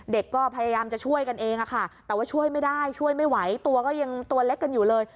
เด็กก็พยายามจะช่วยกันเองค่ะแต่ว่าช่วยไม่ได้ช่วยไม่ไหวตัวก็ยังตัวเล็กกันอยู่เลย